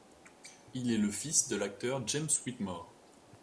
Il est le fils de l'acteur James Whitmore.